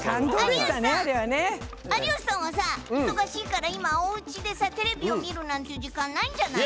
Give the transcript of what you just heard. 有吉さんはさ忙しいから今は、おうちでテレビを見るなんていう時間ないんじゃないの？